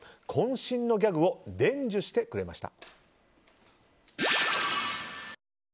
渾身のギャグを伝授してくれました。